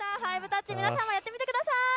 ５タッチ、皆さんもやってみてください。